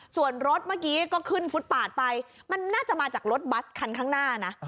ส่วนรถเมื่อกี้ก็ขึ้นฟุตปาดไปมันน่าจะมาจากรถบัสคันข้างหน้านะ